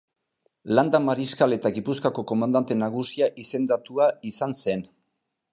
Landa-mariskal eta Gipuzkoako Komandante Nagusia izendatua izan zen.